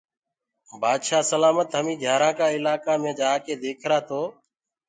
بآدشآه سلآمت هميٚنٚ گھيآرآنٚ ڪآ الآڪآ مي جآڪي ديکرآ تو